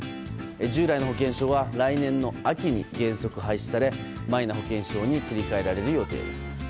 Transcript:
従来の保険証は来年の秋に原則廃止されマイナ保険証に切り替えられる予定です。